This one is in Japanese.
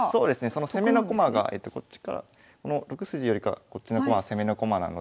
その攻めの駒がこの６筋よりかこっちの駒は攻めの駒なので。